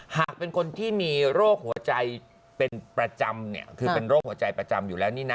หากเป็นคนที่มีโรคหัวใจเป็นประจำคือเป็นโรคหัวใจประจำอยู่แล้วนี่นะ